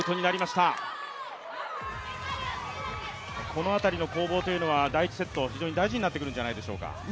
この辺り攻防は第１セット、非常に大事になってくるんじゃないでしょうか。